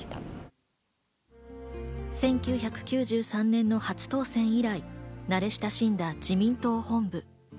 １９９３年の初当選以来、慣れ親しんだ自民党本部。